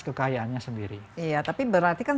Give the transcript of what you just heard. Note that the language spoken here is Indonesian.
kekayaannya sendiri iya tapi berarti kan